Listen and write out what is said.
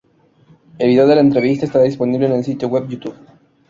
El video de la entrevista está disponible en el sitio web YouTube.